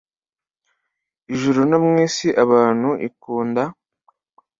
ijuru. no mu nsi abantu ikunda